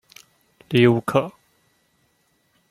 利乌克。